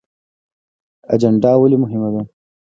اجنډا ولې مهمه ده؟